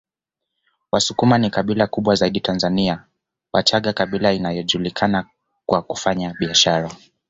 Wasukuma ni kabila kubwa zaidi Tanzania Wachaga kabila inayojulikana kwa kufanya biashara